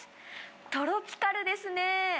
トロピカルですね。